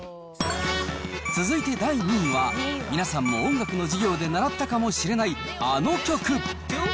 続いて第２位は、皆さんも音楽の授業で習ったかもしれないあの曲。